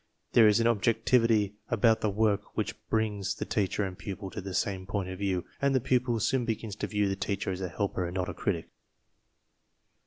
There is an objectivity about the work which brings the teacher and pupil to the same point of view, and the pupil soon begins to view the teacher as a helper and not as a critic.